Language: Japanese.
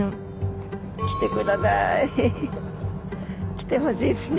来てほしいっすね